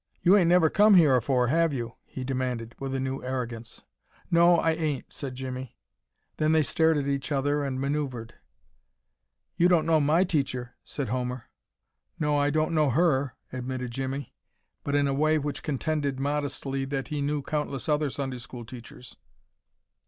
"You 'ain't never come here afore, have you?" he demanded, with a new arrogance. "No, I 'ain't," said Jimmie. Then they stared at each other and manoeuvred. "You don't know my teacher," said Homer. "No, I don't know her" admitted Jimmie, but in a way which contended, modestly, that he knew countless other Sunday school teachers.